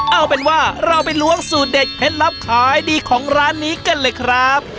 เอาเป็นว่าเราไปล้วงสูตรเด็ดเคล็ดลับขายดีของร้านนี้กันเลยครับ